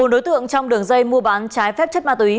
bốn đối tượng trong đường dây mua bán trái phép chất ma túy